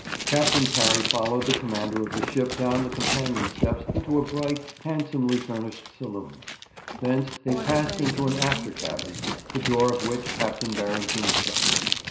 Captain Parry followed the commander of the ship down the companion steps into a bright, handsomely furnished saloon; thence they passed into an after cabin, the door of which Captain Barrington shut.